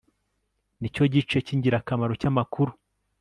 Nicyo gice cyingirakamaro cyamakuru